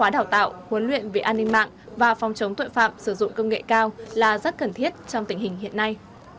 đông nghệ cao là rất cần thiết trong tình hình hiện nay